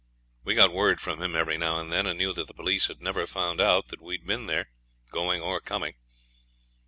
We got word from him every now and then, and knew that the police had never found out that we had been there, going or coming.